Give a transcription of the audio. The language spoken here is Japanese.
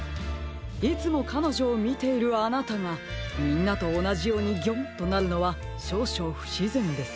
いつもかのじょをみているあなたがみんなとおなじように「ギョン！」となるのはしょうしょうふしぜんです。